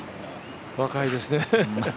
若いですね。